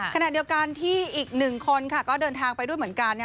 ขณะเดียวกันที่อีกหนึ่งคนก็เดินทางไปด้วยเหมือนกัน